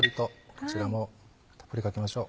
こちらもたっぷりかけましょう。